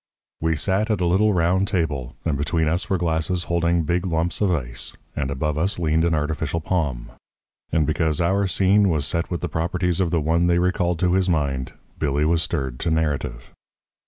We sat at a little, round table, and between us were glasses holding big lumps of ice, and above us leaned an artificial palm. And because our scene was set with the properties of the one they recalled to his mind, Billy was stirred to narrative.